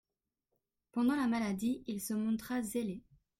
Pendant la maladie, il se montra zélé.